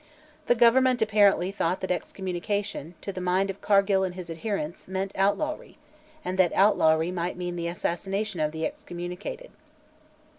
The Government apparently thought that excommunication, to the mind of Cargill and his adherents, meant outlawry, and that outlawry might mean the assassination of the excommunicated.